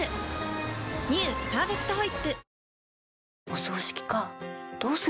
「パーフェクトホイップ」